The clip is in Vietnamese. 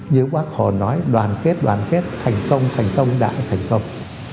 như bác hồ nói đoàn kết đoàn kết thành công thành công đại thành công